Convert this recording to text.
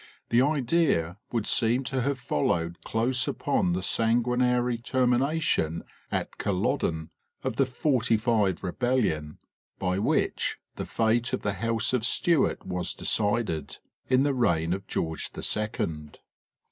The, idea would seem to have followed close upon the san guinary termination at Culloden of the "forty five" rebellion, by which the fate of the house of Stuart was decided, in the reign of George the Second.